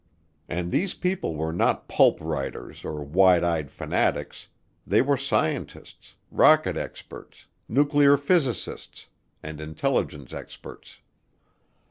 And these people were not pulp writers or wide eyed fanatics, they were scientists rocket experts, nuclear physicists, and intelligence experts.